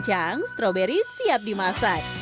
sekarang strawberry siap dimasak